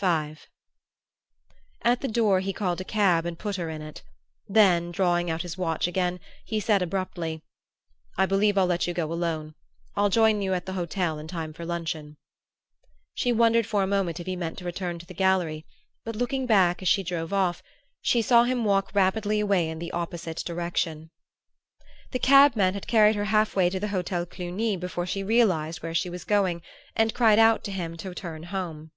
V At the door he called a cab and put her in it; then, drawing out his watch again, he said abruptly: "I believe I'll let you go alone. I'll join you at the hotel in time for luncheon." She wondered for a moment if he meant to return to the gallery; but, looking back as she drove off, she saw him walk rapidly away in the opposite direction. The cabman had carried her half way to the Hotel Cluny before she realized where she was going, and cried out to him to turn home.